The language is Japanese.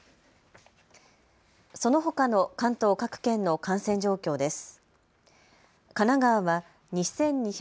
そのほかの関東各県の感染状況です。